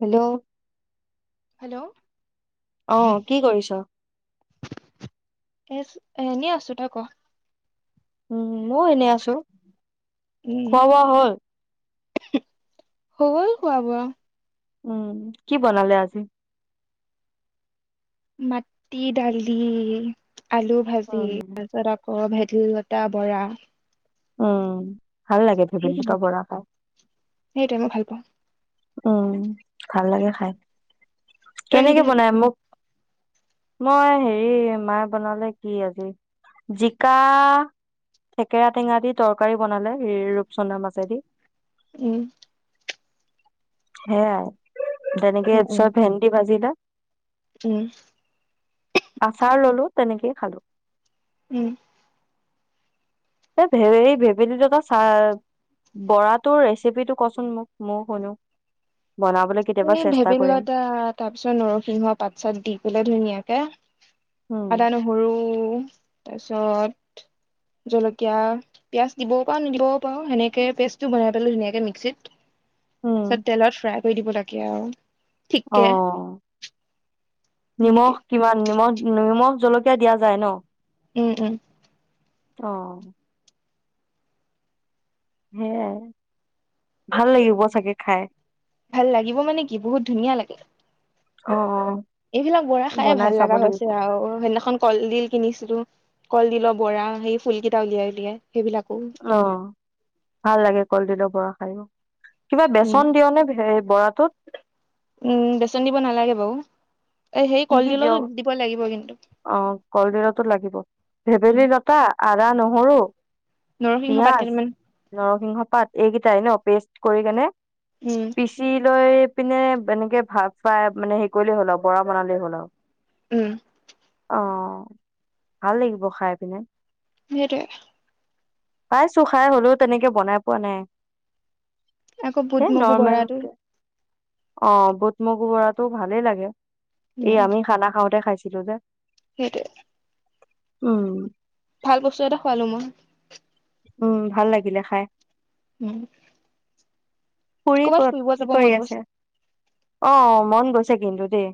Hello. Hello অ', কি কৰিছোঁ? এচ, এনে আছোঁ। তোই ক? উম, মই এনে আ চো, উম খোৱা-বোৱা হ'ল? হ'ল খোৱা-বোৱা। উম। কি বনালে আজি? মাটি দালি। আলু ভাজি। ‌ উম তাৰ পাছত অ অ', ভেবেলিলতা বৰা। উম। ভাল লাগে, ভেবেলিলতা সেইবিলাকে বৰা খাই। সেইটোৱে মই ভাল পাওঁ উম, ভাল লাগে খাই। তই কেনেকে কিহেদি খালি বনাই, মোক মই হেৰি, মায়ে বনালে কি আজি। জিকা, থেকেৰা টেঙা দি তৰকাৰী বনালে ৰি ৰূপচন্দা মাছেদি। উম। সেয়াই। উম উম [unintelligible] ভেন্দি ভাজি এটা। উম আচাৰ ললোঁ। তেনেকে খালোঁ। উম। এই ভেবেলি ভেবেলিলতা চাহ, বৰাটোৰ ৰেচিপিটো কচোন মোক ময়ো শুনো। বনাবলৈ কেতিয়াবা এই চেষ্টা কৰিম ভেবেলিলতা, তাৰ পিছত নৰসিংহ পাত-চাত দি পলাই ধুনীয়াকে। উম আদা-নহৰু তাৰপিছত জলকীয়া, পিয়াজ দিবও পাৰো, নিদিবও পাৰো। সেনেকে পেষ্টটো বনাই পেলে ধুনীয়াকে মিক্সিত উম পিছত তেলত ফ্ৰাই কৰি দিব লাগে। কি আৰু? অ ঠিককে সেনেকে নিমখ কিমান? নিমখ-নিমখ জলকীয়া দিয়া যায় ন? উম উম অ সেয়া, ভাল লাগিব চাগে খাই? ভাল লাগিব মানে কি? বহুত ধুনীয়া লাগে। অ-অ এইবিলাক বৰা খাই ভাল লগা হৈছে আউ। সেইদিনাখন কলদিল কিনিছিলো। কলডিলৰ বৰা, সেই ফুলকেইটা উলিয়াই উলিয়াই সেইবিলাকো অ ভাল লাগে, কলডিলৰ বৰা খায়। কিবা উম বেচন দিয়নে হে বৰাটোত? উম বেচন দিব নালাগে বাৰু এ সেই কি কি দিয় কলডিলতো দিব লাগিব কিন্তু। অ কলডিলতো লাগিব, উম ভেবেলী লতা আদা- নহৰু। নৰসিংহ পাত পিয়াজ, কেইটামান নৰসিংহ পাত এইকেইটাই ন? পেষ্ট কৰি কেনে উম পিচি লৈ পিনে এনেকে ভাত ফাই মানে হেৰি কৰিলে হ'ল আৰু বৰা বনালে হ'ল আউ উম অ, অ ভাল লাগিব খাই পিনে। সেইটোৱে পাইছো খাই হলেও তেনেকে বনাই পোৱা নাই। আকৌ বুট, সেই মগু নৰ্মেল বৰাটো অ বুট, মগু বৰাটো ভালেই লাগে। এই উম আমি খানা খাওঁতে খাইছো। [unintelligible] সেইটোৱে উম ভাল বস্তু এটা খোৱালো মই। উম ভাল লাগিলে খাই। উম খুৰি ক'ৰবাত ক'ত, ফুৰিব কি যাব কৰি মন আছে? গৈছে অ মন গৈছে। [unintelligible]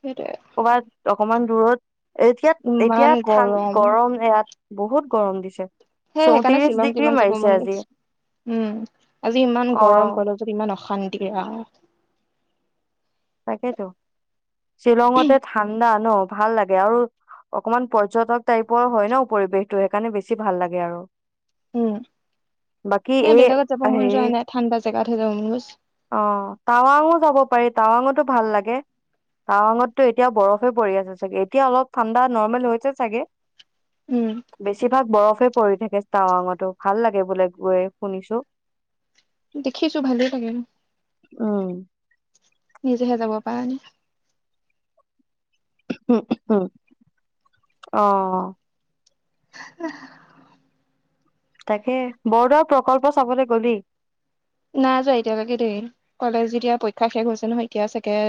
সেইটোৱে কৰবাত অকণমান [unintelligible] এতিয়াত এতিয়া ঠান গৰম ইয়াত। বহুত গৰম দিছে হেই সেইকাৰণে চৌত্ৰিশ ডিগ্ৰী শ্বিলং-তিলং যাব মাৰিছে মন আজি গৈছে, উম আজি ইমান অ গৰম কলেজত ইমান অশান্তি আ তাকেই তো'। শ্বিলঙতে ঠাণ্ডা ন ভাল লাগে আৰু অকমান পৰ্যটক টাইপৰ হয় ন পৰিৱেশটো সেইকাৰণে বেছি ভাল লাগে আৰু উম বাকী এ বেলেগত যাব হে মন যোৱা নাই ঠাণ্ডা জেগাতহে যাব মন গৈছে অ টাৱাং অ যাব পাৰি টাৱাঙতো ভাল লাগে টাৱাঙতো এতিয়া বৰফে পৰি আছে চাগে এতিয়া অলপ ঠাণ্ডা নৰ্মেল হৈছে চাগে উম বেছিভাগ বৰফে পৰি থাকে টাৱাঙতো ভাল লাগে বোলে গৈ শুনিছো দেখিছো ভালেই লাগে ন উম নিজহে যাব পাৰা নাই উ উম অ'। আহ [unintelligible] তাকে বৰদোৱা প্ৰকল্প চাবলৈ গলি নাই যোৱা এতিয়ালৈকে দেই, কলেজত যেতিয়া পৰীক্ষা শেষ হৈছে নহয়, এতিয়া চাগে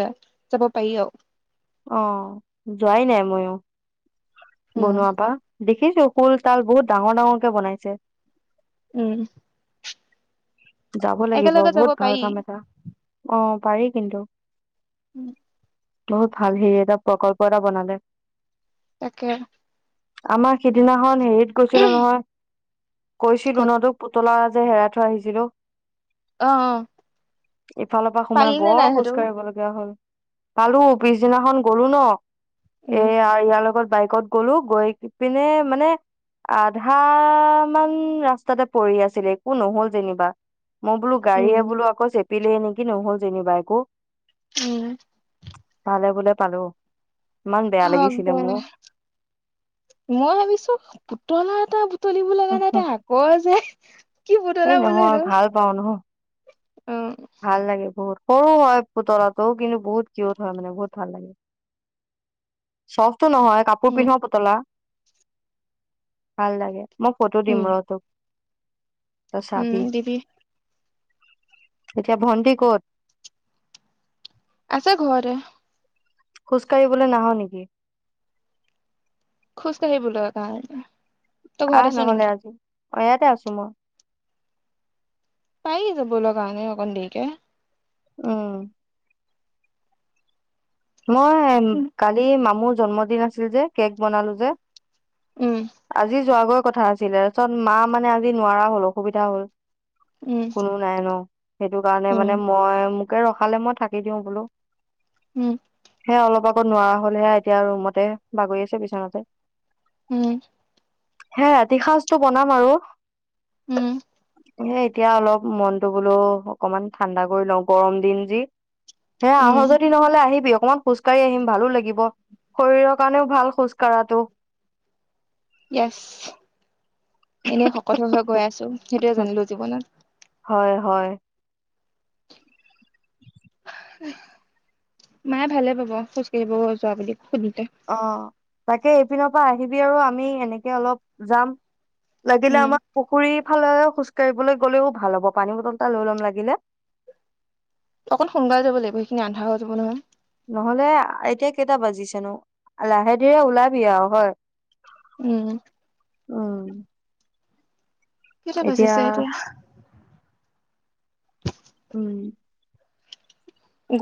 যাব পাৰি অ'। অ', যোৱাই নাই মইয়ো, উম বনোৱাৰ পৰা। দেখিছো হুল তাল বহুত ডাঙৰ ডাঙৰকে বনাইছে উম যাব লাগিব একেলগে যাব বহুত ভাল পাৰি কাম এটা অ পাৰি কিন্তু। উম বহুত ভাল, হেৰি এটা প্ৰকল্প এটা বনালে। তাকে আমাৰ সিদিনাখন হেৰিত গৈছিলো নহয় কৈছিল ক'ত ন তোক পুতলা যে হেৰাই থৈ আহিছিলো। অ ইফালৰ পৰা সোমাই পালি নে বৰ নাই খোজ সেইটো কাঢ়িব লগীয়া হল। পালো, পিছদিনাখন গলো ন। এ উম আৰু ইয়াৰ লগত বাইকত গ'লো গৈ পিনে মানে আধা মান ৰাস্তাতে পৰি আছিলে একো নহল যেনিবা মই বোলো উম গাড়ীয়ে বলো আকৌ চে পিলে নেকি নহল জেনী বা একো উম। ভালে বোলে পালো ইমান বেয়া হব লাগিছিলে মোৰ মই ভাবিছো পুতলা এটা তলিব লগা নাই ত আকৌ যে কি পুতলা এই বোলো নহয় সেইটো ভাল পাওঁ নহ অ ভাল লাগে বহুত সৰু হয় পুতলাটো কিন্তু বহুত কিউট হয় মানে বহুত ভাল লাগে চফ্টো নহয় কাপোৰ উম পিন্ধো পুতলা ভাল লাগে মই ফটো দিম উম ৰহ তোক তই উম চাবি দিবি এতিয়া ভণ্টি কত আছছে ঘৰতে খোজ কাঢ়িবলৈ নাহ নেকি খোজকাঢ়িবলৈ ভাল [unintelligible] আহ নহলে আজি অ ইয়াতে আছো মই পাই যে যাব লগা নে অকন দেৰিকে আহ মই উম কালি মামু জন্মদিন আছিল যে কেক বনালো যে উম আজি যোৱা গৈ কথা আছিলে চত মা মানে আজি নোৱাৰা হ'ল অসুবিধা হ'ল উম কোনো নাই ন সেইটো কাৰণে উম মানে মই কিয় ৰখালে মই থাকি দিওঁ বোলো সেয়া অলপ কত নোৱাৰা হ'লেহে এতিয়া ৰুমতে বাগৰি আছে বিছনাতে উম হে ৰাতি সাঁজটো বনাম আৰু উম এ এতিয়া অলপ মনটো বোলো অকমান ঠাণ্ডা কৰি লওঁ গৰম দিন যি হে উম আহঁ যদি নহলে আহিব অকনমান খোজ কাঢ়ি আহিম ভালো লাগিব শৰীৰৰ কাৰণেও ভাল খোজ কঢ়াটো এছ এনেই শকত হৈ হৈ গৈ আছো সেইটোয়ে জানিলো জীৱনত হয় হয় উ [inaudible] মায়ে ভালে পাব খোজ কাঢ়িব যোৱা বুলি সুধিলে অ তাকেই পিছপিনৰ পৰা আহিবি আৰু আমি এনেকে অলপ যাম। লাগিলে উম আমাক পুখুৰী ফালেৰে খোজ কাঢ়িবলৈ গলেও ভাল হ'ব। পানী বটল এটা লৈ লম লাগিলে। অকণ সোনকালে যাব লাগিব। সেইখিনি আন্ধাৰ হৈ যাব নহয়। নহলে আ, এতিয়া কেইটা বাজিছেনোঁ লাহে-ধীৰে ওলাবি আৰু হয়। উম। উম। কেইটা বাজিছে এতিয়া। উম।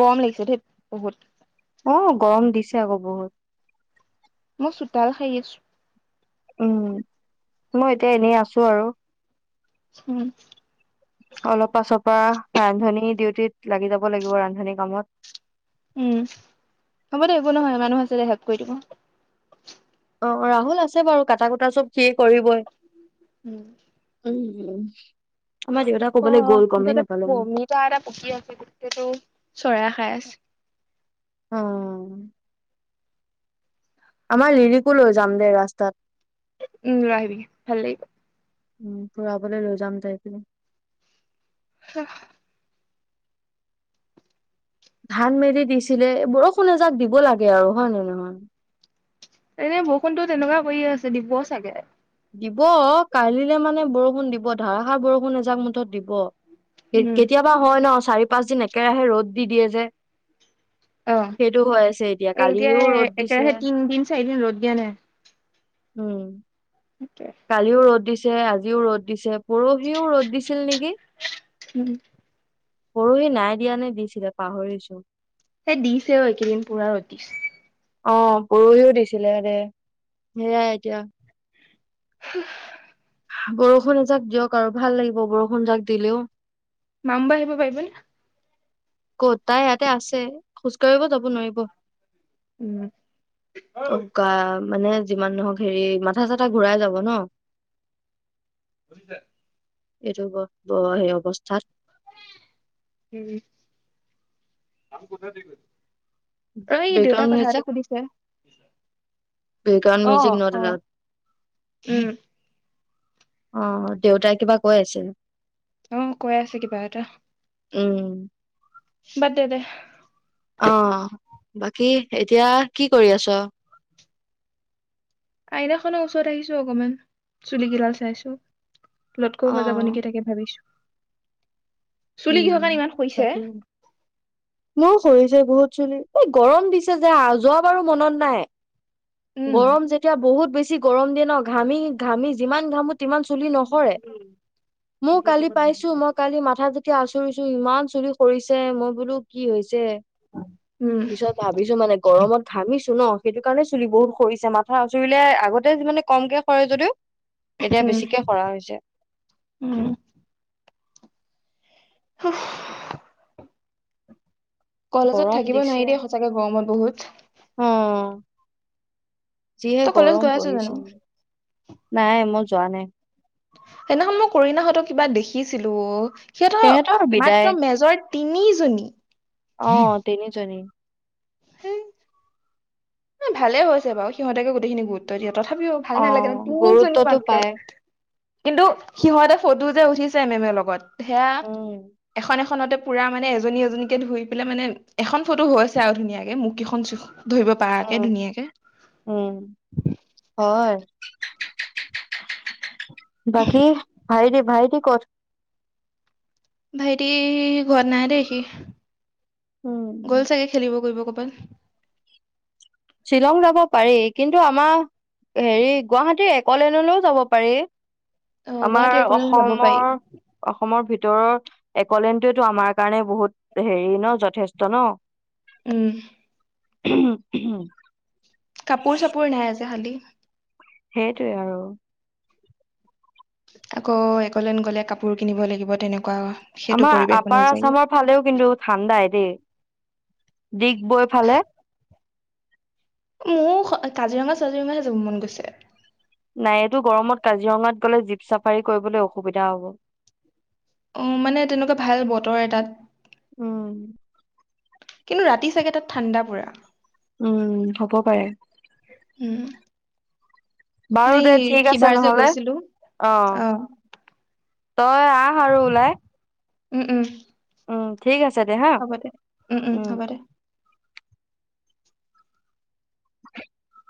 গৰম লাগিছে। ধেত, বহুত অ, গৰম দিছে আকৌ বহুত। মই চুতাল সাৰি আছো উম, মই এতিয়া এনে আছো আৰু উম। অলপ পাছৰ পৰা ৰান্ধনী ডিউটিত লাগি যাব লাগিব। ৰান্ধনী কামত। উম, হ'ব দে একো নহয়। মানুহ আছে দে হেল্প কৰি দিব। অ, ৰাহুল আছে বাৰু কাটা-কুটা চব সিয়ে কৰিবই। উম। উমহ। অ', অ, মুঠতে অমিতা এটা পকি আছিলে। গোটেইটো চৰাই খাই আছ অ। আমাৰ লিৰিক লৈ যাম দে ৰাস্তাত। উম, লৈ আহিবি ভাল লাগিব। উম, ফুৰাবলৈ লৈ যাম তাইক উ। হাহ। ধান মেলি দিছিলে। বৰষুণে এজাক দিব লাগে আৰু হয় নে নহয়। এনে বৰষুণতো তেনেকুৱা কৰিয়ে আছে। দিব চাগে। দিব, কালিলে মানে বৰষুণ দিব ধাৰাষাৰ বৰষুণ এজাক মুঠত দিব। উম কে-কেতিয়াবা হয় ন চাৰি-পাঁচ দিন একেৰাহে ৰ'দ দি দিয়ে যে অ', সেইটো হৈ আছে এতিয়া এ-এতিয়া কালিও ৰ'দ দিছে একেৰাহে তিনদিন-চাৰিদিন ৰ'দ দিয়া নাই। উম। কালিও ৰ'দ দিছ ছে আজিও ৰ'দ দিছে পৰহিও ৰ'দ দিছিল নেকি। উম। পৰহি নাই দিয়া নে দিছিলে পাহৰিছোঁ। সে দিছেও, এইকেইদিন পুৰা ৰ'দ দিছ অ', পৰহিও দিছিলে দে। সেইয়াই এতিয়া হাহ। বৰষুণ এজাক দিয়ক আৰু ভাল লাগিব বৰষুণ যাক দিলেও। মাম বা আহিব পাৰিবনে? কত, তাই ইয়াতে আছে। খোজ কাঢ়িব যাব নোৱাৰিব। উম অঃ, [unintelligible] মানে যিমান নহওক হেৰি, মাথা চাথা ঘূৰাই যাব ন। [unintelligible] এইটো ব- বয়- অৱস্থাত [unintelligible] হুম, আমি ক'তে দি কৰিম? অই দেউতাই বেকগ্ৰাউণ্ড কথা এটা মিউজিক সুধিছে। বেকগ্ৰাউণ্ড মিউজিক অ', নট অ', এলাউড উম। অ', দেউতাই কিবা কৈ আছিল? অ' কৈ আছে কিবা এটা। উম। বাদ দে দে। অ', বাকী এতিয়া কি কৰি আছ'? আইনাখনৰ ওচৰত আহিছো অকণমান। চুলি কিডাল চাইছো। লটকৌ হৈ যাব অ নেকি তাকে ভাবিছো। চুলি উম, কিহৰ কাৰণে ইমান সৰিছে তাকে। মোৰো সৰিছে ছে বহুত চুলি। এই গৰম দিছে যে, যোৱাবাৰো মনত নাই? উম গৰম যেতিয়া বহুত বেছি যি গৰম দিয়ে ন, ঘামি ঘামি যিমান ঘামো তিমান চুলি নসৰে! মোৰ কালি পাইছো মই কালি মাথা এতিয়া আচুৰিছো ইমান চুলি সৰিছে মই বোলো কি হৈছে? যে, উম পিছত ভাবিছো মানে গৰমত ঘামিছো ন। সেইটো কাৰণেই চুলি বহুত সৰিছে মাথা আচুৰিলে আগতে মানে কমকে সৰে যদিও এতিয়া উম বেছিকে সৰা হৈছে। উম হুফ কলেজত গৰম থাকিব দিছে নোৱাৰি দেই সঁচাকে গৰমত বহুত। অ যিহে তই কলেজ গৰম গৈ আছ জানো পৰিছে। নাই মই যোৱা নাই। সেইদিনাখন মই কৰিণাহঁতৰ কিবা দেখিছিলো অ'। সিহঁতৰ তেহেতৰ বিদায় মাত্ৰ মেজৰ তিনিজনী। অ', তিনিজনী। এঃ ভালে হৈছে বাৰু সিহঁতকে গোটেইখিনি গুৰুত্ব দিয়ক তথাপিও ভাল অ নালাগে ন, তিনিজনী গুৰুত্বটো মাত্ৰ। পায় কিন্তু, সিহঁতে ফটো যে উঠিছে মেমৰ লগত সেয়া, উম এখন এখন ফোনতে পুৰা মানে এজনী এজনীকে ধুই পেলাই মানে এখন ফটো হৈ আছে আৰু ধুনীয়াকে মুখকেইখন ধৰিব পাৰি। উম উম হয়। বাকী ভাইটি ভাইটি ক'ত? ভাইটি ঘৰত নাই দেই সি। উম গ'ল চাগে খেলিব কৰিব কৰবাত। বাৰু। শ্বিলং যাব পাৰি কিন্তু আমাৰ হেৰি গুৱাহাটীৰ এক'লেণ্ডলৈয়ো যাব পাৰি। অ গুৱাহাটী আমাৰ একলেণ্ড যাব পাৰি অসমৰ অসমৰ ভিতৰত ভিতৰৰ এক'লেণ্ডটোয়েটো আমাৰ কাৰণে বহুত হেৰি নহ যথেষ্ট নহ। উম। হম হম। কাপোৰ-চাপোৰ নাই যে খালি। সেইটোৱে আৰু। আকৌ এক'লেণ্ড গ'লে কাপোৰ কিনিব লাগিব তেনেকুৱা। সেইটো আমাৰ পৰিৱেশ আপাৰ অনুযায়ী আছামৰ ফালেও কিন্তু ঠাণ্ডাই দেই। ডিগবৈ ফালে। মোৰ কাজিৰঙা চাজিৰঙাহে যাব মন গৈছে। নাই এইটো গৰমত কাজিৰঙাত গ'লে জীপ চাফাৰী কৰিবলৈ অসুবিধা হব। অ মানে তেনেকুৱা ভাল বতৰ এটাত। উম, কিন্তু ৰাতি চাগে তাত ঠাণ্ডা পুৰা। উম হ'ব পাৰে। উম। বাৰু নাই দে ঠিক আছে সিবাৰ যে নহ'লে গৈছিলো অ অ তই আহ আৰু উলাই। উম উম। উম ঠিক আছে। দে হা হ'ব দে উম উম হ'ব দে। [inaudible]